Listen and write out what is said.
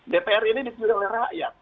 dpr ini dipilih oleh rakyat